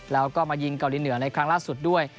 แล้วก็มายิงเกาหลีเหนือในครั้งล่าสุดด้วย